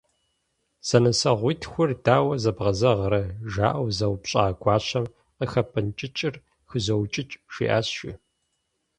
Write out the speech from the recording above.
«Зэнысэгъуитхур дауэ зэбгъэзэгърэ?» - жаӏэу зэупщӏа гуащэм, «Къыхэпӏэнкӏыкӏыр хызоукӏыкӏ» - жиӏащ, жи.